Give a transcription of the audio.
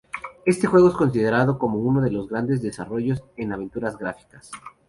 Este juego es considerado como uno de los grandes desarrollos en aventuras gráficas.